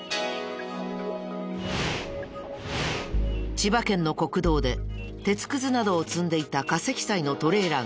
千葉県の国道で鉄くずなどを積んでいた過積載のトレーラーが横転。